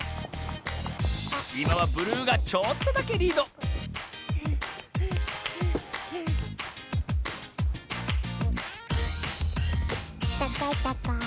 いまはブルーがちょっとだけリードたかいたかい。